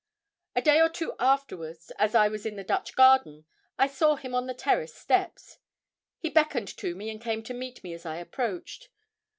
A day or two afterwards, as I was in the Dutch garden, I saw him on the terrace steps. He beckoned to me, and came to meet me as I approached.